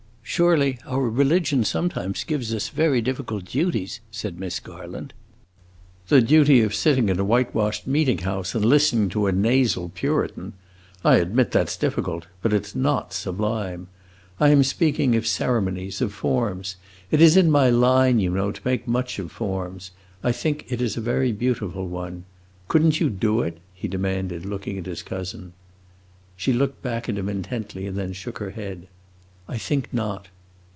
"Surely our religion sometimes gives us very difficult duties," said Miss Garland. "The duty of sitting in a whitewashed meeting house and listening to a nasal Puritan! I admit that 's difficult. But it 's not sublime. I am speaking of ceremonies, of forms. It is in my line, you know, to make much of forms. I think this is a very beautiful one. Could n't you do it?" he demanded, looking at his cousin. She looked back at him intently and then shook her head. "I think not!"